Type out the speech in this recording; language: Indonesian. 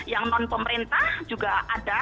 yang non pemerintah juga ada